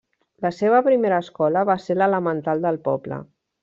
La seva primera escola va ser l'elemental del poble.